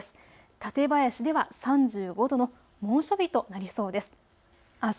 館林では３５度の猛暑日となりそうです。